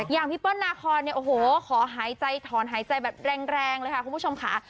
พี่เปิ้ลนาคอนเนี่ยโอ้โหขอหายใจถอนหายใจแบบแรงเลยค่ะคุณผู้ชมค่ะ